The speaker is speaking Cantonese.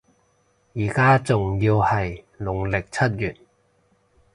依家仲要係農曆七月